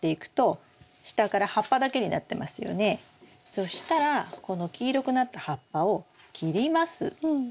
そしたらこの黄色くなった葉っぱを切ります。